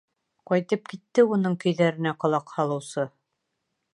Ҡайтып китте уның көйҙәренә ҡолаҡ һалыусы.